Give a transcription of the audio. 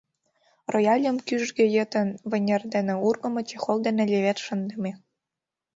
Рояльым кӱжгӧ йытын вынер дене ургымо чехол дене левед шындыме.